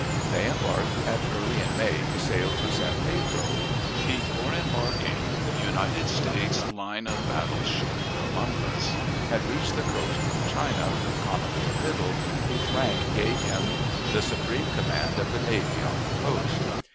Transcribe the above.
They embarked, and early in May we sailed for San Pedro. Before embarking, the United States line of battle ship Columbus had reached the coast from China with Commodore Biddle, whose rank gave him the supreme command of the navy on the coast.